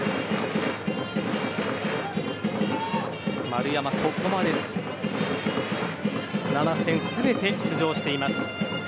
丸山、ここまで７戦全て出場しています。